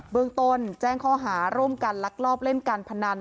เมืองต้นแจ้งข้อหาร่วมกันลักลอบเล่นการพนัน